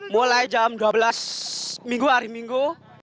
mulai jam dua belas minggu hari minggu